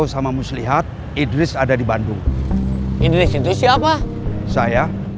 sampai jumpa di video selanjutnya